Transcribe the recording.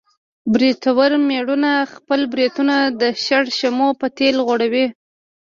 برېتور مېړونه خپل برېتونه د شړشمو په تېل غوړوي.